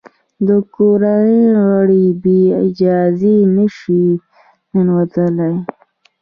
د کورنۍ غړي بې اجازې نه شي ننوتلای.